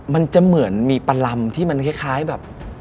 มันจะเหมือนมีประลำที่มันคล้ายแบบ